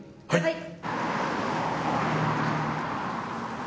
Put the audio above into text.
はい。